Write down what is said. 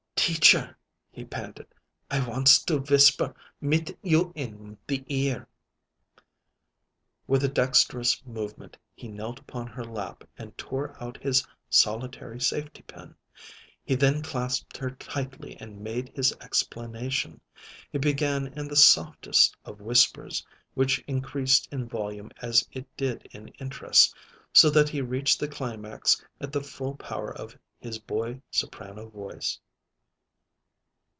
"Teacher," he panted; "I wants to whisper mit you in the ear." With a dexterous movement he knelt upon her lap and tore out his solitary safety pin. He then clasped her tightly and made his explanation. He began in the softest of whispers, which increased in volume as it did in interest, so that he reached the climax at the full power of his boy soprano voice.